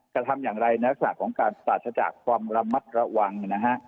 ก็ทำอย่างไรนักศึกษาของการสร้างจากความระมัดระวังนะฮะ